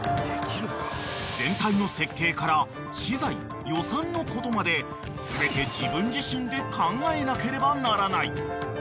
［全体の設計から資材予算のことまで全て自分自身で考えなければならない］